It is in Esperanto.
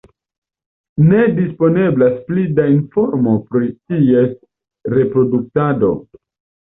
Ne disponeblas pli da informo pri ties reproduktado.